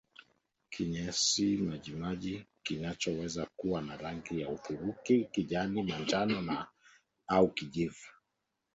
Kinyesi majimaji kinachoweza kuwa na rangi ya hudhurungi kijani manjano au kijivu